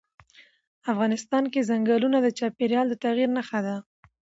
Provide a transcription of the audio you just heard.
افغانستان کې چنګلونه د چاپېریال د تغیر نښه ده.